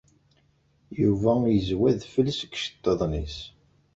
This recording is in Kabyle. Yuba yezwi adfel seg yiceṭṭiḍen-is.